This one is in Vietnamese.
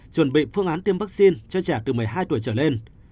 chuẩn bị phương án tiêm vaccine cho trẻ từ một mươi hai tuổi trở lên